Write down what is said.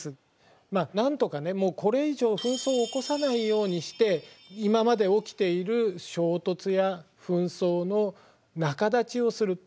まあなんとかねもうこれ以上紛争を起こさないようにして今まで起きている衝突や紛争の仲立ちをする。